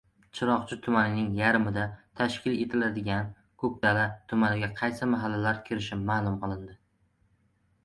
Chiroqchi tumanining yarmida tashkil etiladigan Ko‘kdala tumaniga qaysi mahallalar kirishi ma'lum qilindi